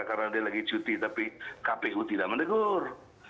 karena dia lagi cuti tapi kpu tidak menegur